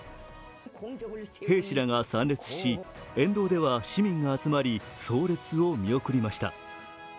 兵士らが参列し沿道では市民が集まり葬列を見送りました。